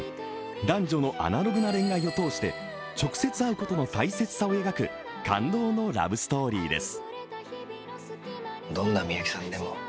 男女のアナログな恋愛を通して直接会うことの大切さを描く感動のラブストーリーです。